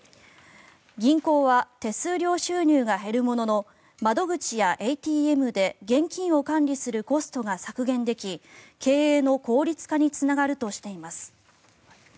銀行は手数料収入が減るものの窓口やＡＴＭで現金を管理するコストが削減でき経営の効率化につながるとしています。